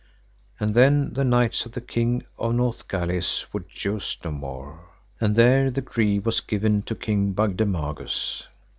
And then the knights of the King of Northgalis would joust no more. And there the gree was given to King Bagdemagus.